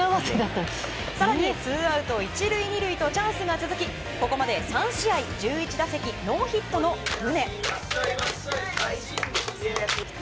更に、ツーアウト１塁２塁とチャンスが続きここまで３試合１１打席ノーヒットの宗。